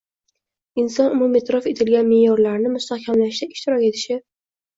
inson umume’tirof etilgan me’yorlarni mustahkamlashda ishtirok etishi